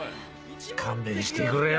勘弁してくれよ